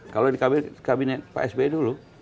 kalau di kabinet pak sby dulu